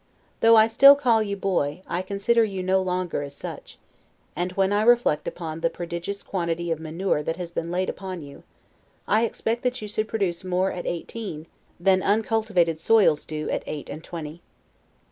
Though I still call you boy, I consider you no longer as such; and when I reflect upon the prodigious quantity of manure that has been laid upon you, I expect that you should produce more at eighteen, than uncultivated soils do at eight and twenty.